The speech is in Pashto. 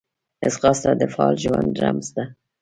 ځغاسته د فعال ژوند رمز ده